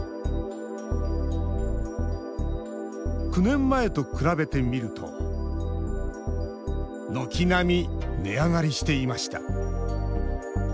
９年前と比べてみると軒並み値上がりしていました